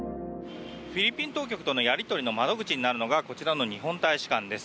フィリピン当局とのやり取りの窓口となるのがこちらの日本大使館です。